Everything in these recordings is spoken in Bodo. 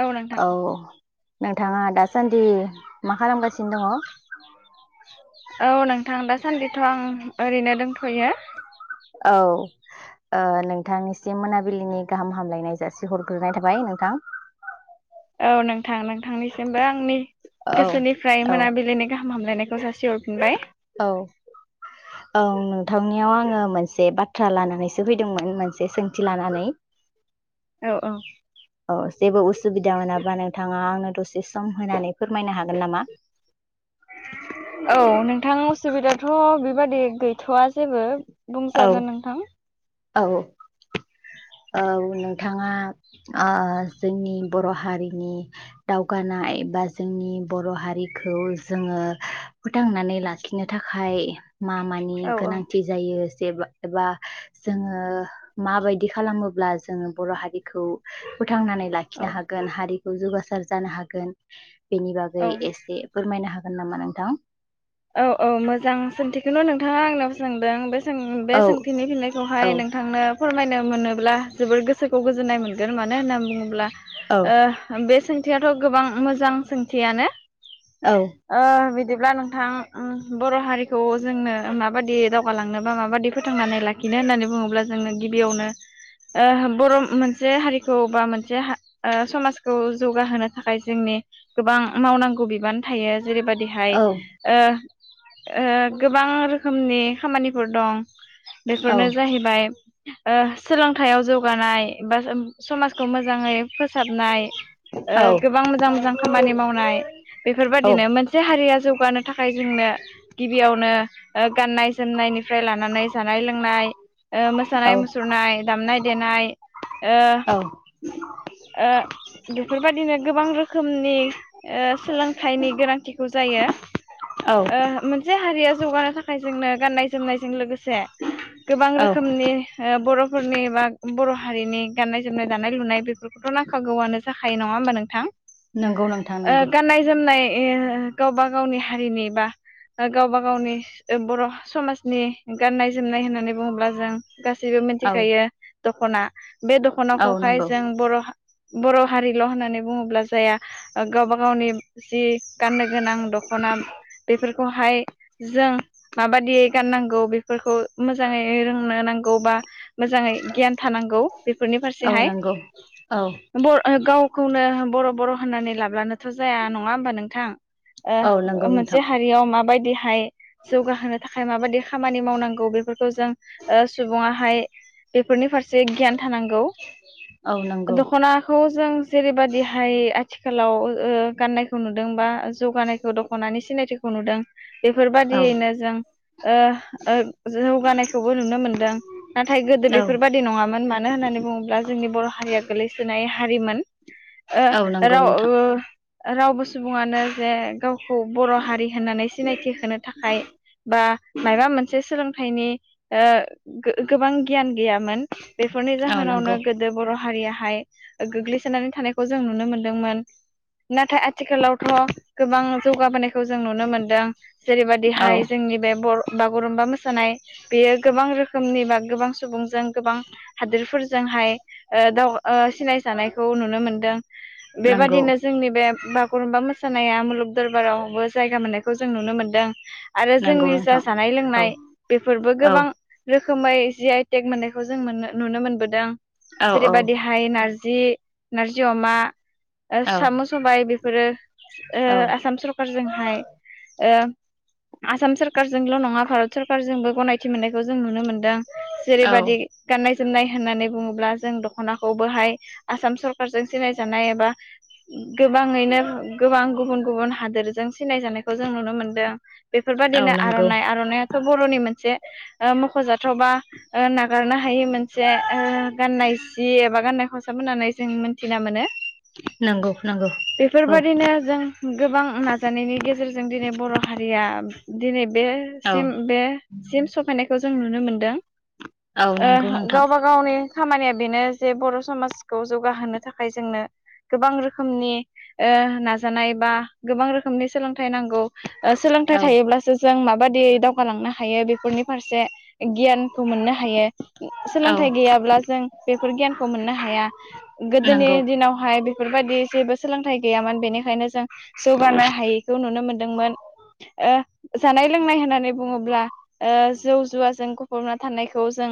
औ नोंथां। नोंथाङा दासान्दि मा खालामगासिनो दङ? औ नोंथां दासान्दिथ' आं ओरैनो दोंथ'यो। औ ओ नोंथांनिसिम मोनाबिलिनि गाहाम हामलायनाय जासि हरग्रोनाय थाबाय नोंथां। औ नोंथां नों थांनिसिमबो आंनि औ गोसोनिफ्राय औ मोनाबिलिनि गाहाम हाम हामलनायखौ जासिहर [unintelligible] औ औ नोंथांनियाव आङो मोनसे बाथ्रा लानानैसो फैदोंमोन मोनसे सों थि लानानै औ औ अ जेबो उसुबिदा मोनाबा नोंथाङा आंनो दसे सम होनानै फोरमायनो हागोन नामा? औ नोंथां असुबिदाथ' बि बादि गैथ'आ जेबो। औ बुंजागोन नोंथां। औ औ नोंथाङा ओ जोंनि बर' हारिनि दावगानाय बा जोंनि बर' हारिखौ जोङो फोथांनानै लाखिनो थाखाय मा मानि औ गोनांथि जायो? देबा एबा जोङो माबायदि खालामोब्ला जोङो बर' हारि खौ फोथांनानै लाखिनो औ हागोन हारिखौ जौगासा सार जानो हागोन बेनि बागै औ एसे फोरमायनो हाग गोन नामा नोंथां? औ औ मोजां सोंथिखौनो' नोंथाङा आंनावयाव सोंदों बे बे औ सोंथिनि औ फिननायखौहाय नोंथांनो फोरमायनो मोनोब्ला जोबोर गोसोखौ गोजोननाय मोनगोन मानो होननानै बुङोब्ला औ ओ बे सों सोंथियाथ' गोबां मोजां सोंथियानो। औ अ बिदि अब्ला नोंथां बर' हारिखौ जोंनो माबादि दावगाालांनो बा माबादि फोथांनानै लाखिनो होननानै बुङोब्ला जोंनो गिबियावनो बर' मोनसे हारिखौ बा मोनसे समाजखौ जौगाहो थाखाय जोंनि गोबां मावनांगौ बिबान थायो। जेरै बायददिहाय औ ओ गोबां रोखोमनि खामानिफोर दं। औ बेफोरनो जाहैबाय सोलोंथायाइयाव जौगानाय बा समाजखौ मोजाङै फोसाबनाय गोबां मोजां मोजां खामानि मावनाय बेफोरबायदिनो मोनसे हारिया जौगानो थाखाय जोंनो गिबियावनो गाननाय जोमनायनिफ्राय लानानै जानाय लोंनाय औ मोसानाय मुसुरनाय दामनाय देेनाय ओ ओ बेफोरबादिनो गोबां रोखोमनि सोलोंथाइनि गोनांथिखौ जायो। ओ मोनसे हारिया जौगानो थाखाय जोंनो गाननाय जोमनायजों लोगोसे गोबां औ रोखोमनि बर' फोरनि बा बर' हारिनि गाननाय जोमनाय दानाय लुनाय बेफोर बेखौथ' नांखागौआनो जाखायो नङा होमबा नोंथां नंगौ नोंथां ओ नंगौ गाननाय जोमनाय ओ गावबा गावनि हारिनि बा गावबा गावनि बर' समाजनि गाननाय जोमनाय होननानै बुङोब्ला जों गासैबो औ मिथिखायो द'खना बे औ दख'नाखौहाय नंगौ जों बर' हारिल' होननानै बुङोब्ला जाया गावबा गावनि जि गाननो गोनां दख'ना बेफोरखौहाय जों माबादियै गाननांगौ बेफोरखौ मोजाङै रोंनो नांगौ बा मोजाङै गियान थानांगौ बेफोरनि औ फारसेहाय नंगौ औ बर अ गावखौनो ओ बर' बर' होननानै लाब्लानोथ' जाया नङा होमबा नोंथां औ ओ नंगौ मोनसे नोंथां हारियाव माबाय बि हाय जौगाहोनो थाखाय माबादि खामानि मावनां खो फोरखौ जों ओ सुबुंआ हाय बेफोरनि फारसे से गियान थानांगौ। औ नंगौ दख'नाखौ जों जेरैबादिहाय आथिखालाव ओ गाननायखौ नुदों बा जौगानायखौ दख'नानि सिनायथिखौ नुदों। औ बेफोरबादियैनो जों ओ ओ जौगानायखौबो नुनो मोनदों नाथाय गोदो औ बेफोरबादि नंङामोन मानो होननानै बुंङोब्ला जोंनि बर' हारिया गोग्लैसोनाय हारिमोन। ओ औ नंगौ राव नोंथां रावबो सुबुंङानो जे गावखौ बर' हारि होननानै सिनायथि होनो थाखाय बा माबा मोनसे सोलोंथाइनि ओ गोबां गियान गैयामोन बेफोरनि औ नंगौ जाहोनावनो गोदो बर' हारिया हाय गोग्लैसोनानै थानायखौ जों नुनो मोनदोंमोन नाथाय आथिखालावथ' गोबां जौगाबोनायखौ जों नुनो मोनदों जेरै बादि औ हाय जोंनि बे बर' गुरुम्बा मोसानाय बेयो गोबां रोखोम रोखोमनि बा गोबां सुबुंजों गोबां हादोरफोरजोंहाय आ दाव ओ सिनायजानायखौ नुनो मोनदों नंगौ बेबादिनो जोंनि बे बागुरुम्बा मोसा सानाया मुलुग दरबारावबो जायगा मोननायखौ जों नुनो मोनदों। आरो नंगौ जोंनि जा नोंथां जानाय औ लोंनाय बेफोरबो औ गोबां रो खोमाय जि आइटेक मोननायखौ जों मोन्नो नुनो मोनबोदों। औ औ जेरै बायदिहाय नारजि जि नारजि अमा ओ औ साम' सबाय बेफोरो ओ औ आसाम सरखार जोंहाय ओ आसाम सर कार जोंल' नंङा भारत सोरखारजोंबो गनाय थि मोननायखौ जों नुनो मोन दों औ जेरैबादि गाननाय जोमनाय होननानै बुंङोब्ला जों दख'नाखौबोहाय आसाम सरखारजों सिनायजानाय एबा गोबांङैनो गोबां गुबुन गुबुन हादोरजों सिनायजानायखौ जों नुनो मोनदों औ बेफोरबायदिनो नंगौ आर'नाइ आर'नाइआथ' बर'नि मोनसे ओ मख'जाथावबा नागारनो हायै मोनसे ओ गाननाय सि एबा गाननाय खसा साफ होननानै जों मोनथिना मोनो नंगौ नंगौ औ बेफोरबायदिनो जों गोबां नाजानायनि गेजेरजों दिनै बर' हारिया दिनै औ बेसिम बेसिम सौफैनायखौ जो जों नुनो मोनदों औ नंगौ ओ नोंथां गावबा गावनि खामानिया बेनो जे बर' समाजखौ जौगाहोनो थाखाय जोंनो गोबां रोखोमनि ओ नाजानाय बा गोबां रोखोमनि सोलोंथाइ नांगौ ओ सोलोंथाइ औ थायोब्लासो जों माबा बादियै दावगालांना हायो बेफोरनि फारसे गियानखौ मोननो हायो औ सोलोंथाइ गैयाब्ला बेफोर गियानखौ मोननो हाया गोदोनि नंगौ दिनावहाय बेफोरबायदि जेबो सोलों उफाय गैयामोन बेनिखायनो जों जौगानो हायैखौ नुनो मोनदोंमोन ओ जानाय लोंनाय होननानै बुङोब्ला ओ जौ जुवाजों गफबना थानायखौ जों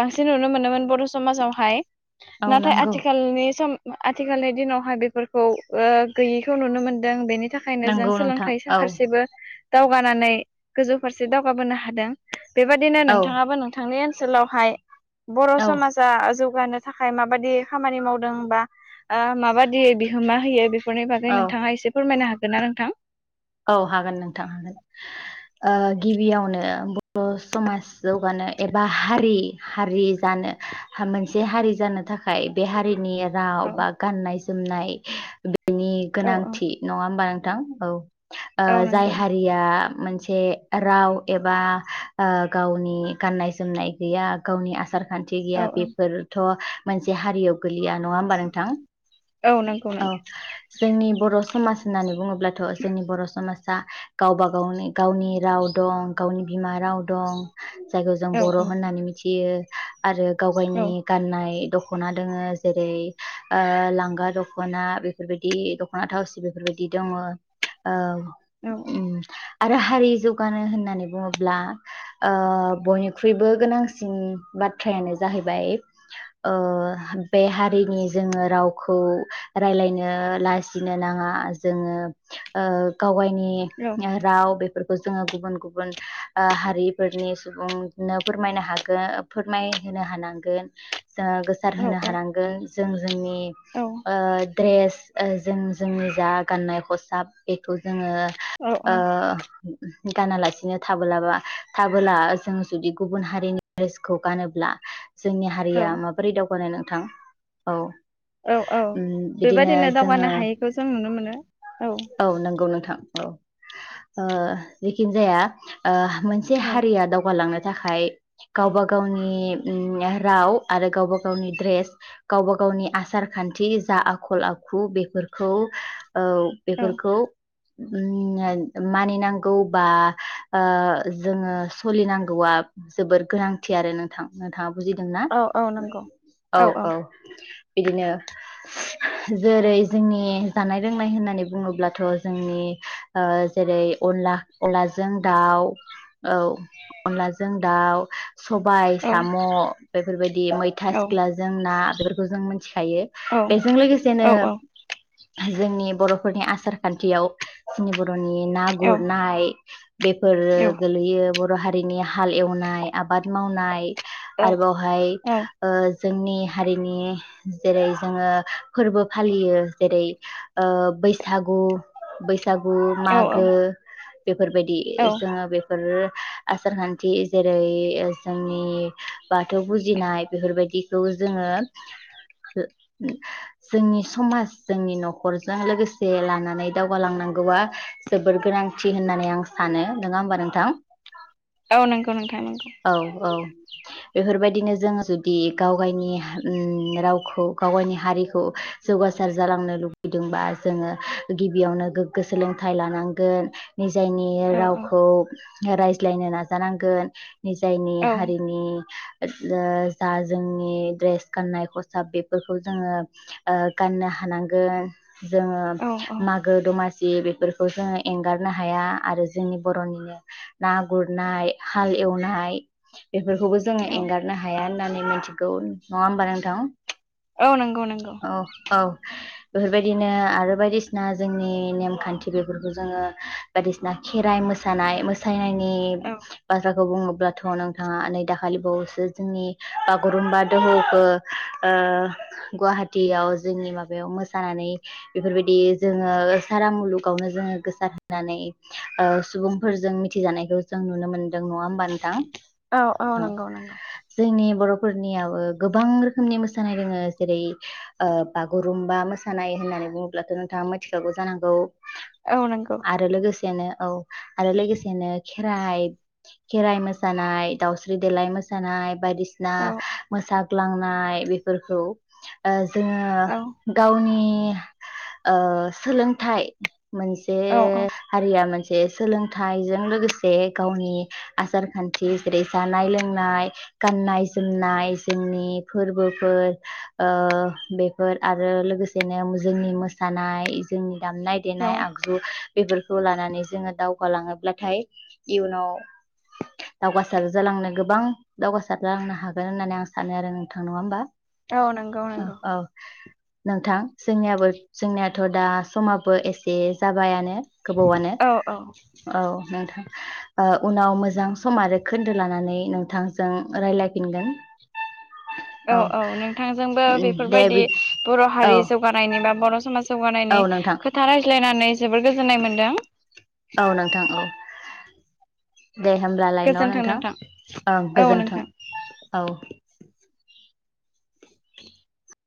बांसिन नुनो मोनोमोन बर' सु समाजावहाय औ नाथाय नंगौ आथिखालनि सम आथिखालनि दिनावहाय बेफोरखौ ओ गैयैखौ नुनो मोनदों बेनि थाखायनो जों नंगौ नोंथां सोलोंथायनि औ फारसेबो दावगानानै गोजौ फारसे दावगाबोनो हादों बेबायदिनो औ नोंथाङाबो नोंथांनि सोलावहाय बर' औ समाज ओ जौगानो थाखाय माबादि खामानि मावदों बा ओ माबादि बिहोमा होयो बे फोरनि बागै औ नोंथाङा एसे फोरमायनो हागो गोनना नोंथां औ हागोन नोंथां ओ गिबियावनो बर' समाज जौगानो एबा हारि हारि जानो हा मोनसे हारि जानो थाखाय बे हारिनि औ राव बा गाननाय जोमनाय बे बिनि औ औ गोनांथि नङा होमबा नोंथां औ ओ औ जाय नंगौ हारिया मोनसे राव एबा ओ गावनि गाननाय जोमनाय गैया गावनि आसार खान्थि औ गैया बेफोरथ' मोनसे हारियाव गोलैया नङा होमबा नोंथां औ नंगौ औ नंगौ जोंनि बर' समाज होन्नानै बुङोब्लाथ' जा गावबा गावनि गावनि राव दं गावनि बिमा राव दं। जायखौ जों औ बर' औ होननानै मिथि [unintelligible] आरो औ गावगायनि गाननाय दख'ना दोङो जेरै ओ लांगा दख'ना बेफोरबायदि दख'ना थावसि बेफोरबायदि दङ। ओ। औ औ। उम आरो हारि जौगानो होननानै बुङोब्ला ओ बयनिख्रुइबो गोनांसिन बाथ्रायानो जाहैबाय ओ बे हारिनि जोङो रावखौ रायलायनो लाजिनो नाङा जोङो। ओ गावगाय नि राव बे फोरखौ जोङो गुबुन गुबुन ओ हारिफोरनि सुबुंनो फोरमायनो हागोन फोरमायनो हानांगोन। ओ औ गोसारहोनो हानांगोन जों जोंनि ओ द्रेस ओ जों जोंनि जा गाननाय [unintelligible] साब बेखौ जोङो औ ओ गानालासिनो थाबोलाबा थाबोला जों जुदि गुबुन हारिनि ड्रेसखौ गानोब्ला जोंनि औ हारिया माबोरै दावगानाय नों नोंथां औ। औ औ उम बिदिनो बेबादिनो जोङो दावगानो हायैखौ जों नुनो मोनो औ। औ नंगौ नोंथां औ ओ जेखिनि जाया मोनसे औ हारिया दावगालांनो थाखाय गावबा- गावनि ओम राव आरो गावबा गावनि ड्रेस गावबा गावनि आसार खान्थि जा आखल आखु ओ बेफोरखौ ओ औ बेफोरखौ ओम मानिनांगौ बा ओ जोङो सोलिनांगौआ जोबोद गोनांथि आरो नोंथां नोंथाङा बुजिदोंना औ औ नंगौ औ औ। बिदिनो जेरै जोंनि जानाय लोंनाय होननानै बुङोब्लाथ' जोंनि ओ जेरै अनला अनलाजों दाउ औ अनलाजों दाउ सबाय औ साम' बेफोरबायदि मैथा औ सिख्लाजों ना बेफोरखौ जों मोनथिखायो औ बेजों लोगोसेनो औ जोंनि बर' फोरनि आसार खान्थियाव जोंनि बर' बर'नि ना गुरनाय बेफोर गोलैयो। बर' हारिनि हाल एवनाय आबाद मावनाय आरोबावहाय औ जोंनि हारिनि जेरै जोङो फोरबो फालियो जेरै ओ बैसा सागु बैसागु मागो बेफोरबायदि औ जोङो बेफोर आसार खान्थि जेरै जोंनि बाथौ फुजिनाय बेफोरबायदिखौ जोङो जोंनि समाज जोंनि न'खरजों लोगोसे से लानानै दावगालांनांगौआ जोबोर गोनांथि होननानै आं सानो नङा होमबा नोंथां? औ नंगौ नोंथां नंगौ औ औ बेफोरबायदिनो जोंङो जुदि गाव गायनि रावखौ गाव गायनि हारिखौ जौगासार जालांनो लुबैदोंबा जोङो गिबियावनो गोग्गो सोलोंथाइ लानांगोन। निजायनि औ औ रावखौ रायज्लायनो नाजानांगोन। नि जायनि औ हारिनि जा जोंनि ड्रेस गाननाय खसाब बेफोरखौ जोङो गाननो हानांगोन। जोङो औ औ मागो दमासि सि बेफोरखौ जोङो एंगारनो हाया आरो जोंनि बर'निनो ना गुरनाय हाल एवनाय बेफोरखौबो जोङो औ एंगारनो हाया होननानै मिथिगौ नङा होमबा नोंथां? औ नंगौ नंगौ औ औ बेफोरबायद दिनो आरो बायदिसिना जोंनि नेमखान्थि बेफोरखौ जोङो बायदिसिना खेराइ मोसानाय मोसानाय ए औ बाजा खौ बुङोब्लाथ' नोंथाङा नै दाखालि बावैसो जोंनि बागुरुम्बा दोहौखौ ओ गुवाहाटियाव जोंनि माबायाव मोसानानै बेफोरबायदि जोङो सारा मुलुगावनो जोङो गोसार होनानै ओ सुबुंफोरजों मिथिजानायखौ जों नुनो मोनदों नङा होनबा नोंथां औ जोंनि बर' फोरनियाबो गोबां रोखोमनि मोसानाय दोङो जेरै ओ बागुरुम्बा मोसानाय होननानै बुङोब्लाथ' नोंथाङा मिथिखागौ जानांगौ औ नंगौ आरो औ लोगोसेनो आरो लोगोसेनो खेर खेराइ मोसानाय दाावस्रि देलाय मोसानाय बायदिसिना औ सिना मोसा ग्लांनाय बेफोरखौ औ जोङो गावनि ओ सोलोंथाइ मोनसे औ हारिया मोनसे बे सोलोंथाइजों लोगोसे गावनि आसार खान्थि जेरै जानाय लोंनाय गाननाय जोमनाय जोंनि फोरबोफोर ओ बेफोर आरो लोगोसेनो मोस जोंनि मोसानाय जोंनि दामनाय औ देनाय आगजु बेफोरखौ लानानै जोङो दावगालाङोब्लाथाय इयुनाव दावगासार जालांनो गोबां दावगासार जालांनो हागोन होननानै आं सानो आरो नोंथां नङा होमबा? औ नोंगौ औ नोंगौ। औ नोंथां जोंनियाबो जोंनियाथ' दा समाबो एसे जाबायानो। गोबावनो औ नोंथां। ओ उनाव मोजां सम आरो खोन्दो लानानै नोंथांजों रायलायफिनगोन। औ औ नोंथांजोंबो उम दे बेफोरबायदि बि बर' औ हारि जौगाना नायनिबा बर' समाज औ जौगानायनि नोंथां खोथा रायज्लायनान नै जोबोद गोजोन्नाय मोन्दों। औ नोंथां औ दे होमब्लालाय न नोंथां ओं औ गोजोन्थों नोंथां औ [inaudible]